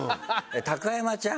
高山ちゃん